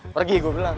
pergi gue bilang